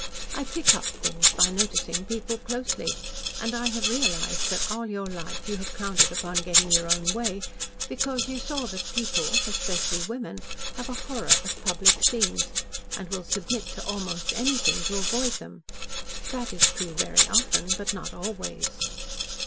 "I pick up things by noticing people closely, and I have realised that all your life you have counted upon getting your own way because you saw that people especially women have a horror of public scenes, and will submit to almost anything to avoid them. That is true very often, but not always."